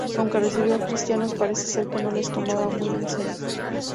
Aunque recibió a cristianos, parece ser que no les tomaba muy en serio.